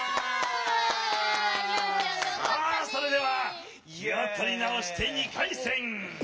さあそれではきをとりなおして２かいせん。